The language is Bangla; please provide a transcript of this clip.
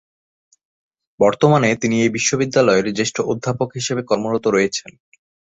বর্তমানে তিনি এই বিশ্ববিদ্যালয়ের জ্যেষ্ঠ অধ্যাপক হিসেবে কর্মরত রয়েছেন।